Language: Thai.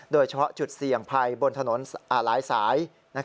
โดยเฉพาะจุดเสี่ยงภัยบนถนนหลายสาย